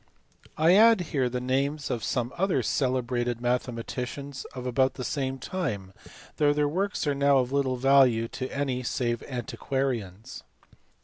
I add here the names of some other celebrated mathema ticians of about the same time, though their works are now of little value to any save antiquarians.